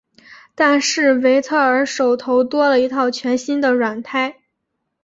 但是维特尔手头多了一套全新的软胎。